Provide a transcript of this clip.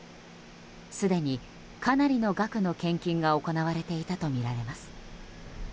すでにかなりの額の献金が行われていたとみられます。